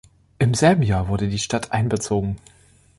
Im selben Jahr wurde die Stadt einbezogen.